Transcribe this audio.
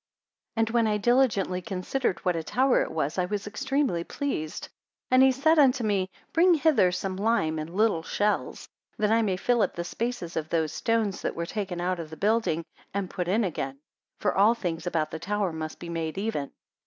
86 And when I diligently considered what a tower it was, I was extremely pleased: and he said unto me, Bring hither some lime and little shells, that I may fill up the spaces of those stones that were taken out of the building, and put in again; for all things about the tower must be made even.